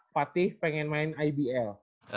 patih pengen main ibl